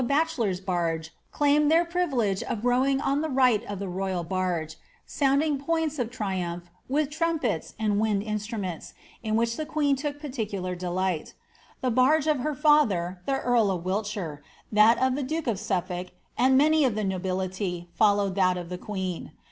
bachelors' barge claimed their privilege of rowing on the right of thfl royal barge, sounding points of triumph with trumpets and wind instni ments, in which the queen took particular delight. The barge of her father, the earl of Wiltshire, that of the duke of Suflblk, and many of the nobility, followed that of the queen.